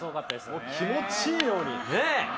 もう、気持ちいいように。